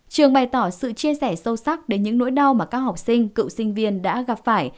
trường bày tỏ sự chia sẻ sâu sắc đến những nỗi đau mà các học sinh cựu sinh viên đã gặp phải